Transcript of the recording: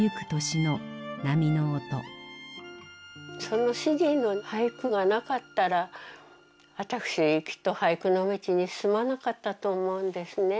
その主人の俳句がなかったら私きっと俳句の道に進まなかったと思うんですね。